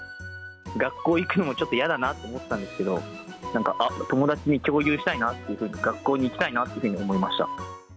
学校行くのもちょっと嫌だなと思ったんですけど、なんか友達に共有したいなって、学校に行きたいなっていうふうに思いました。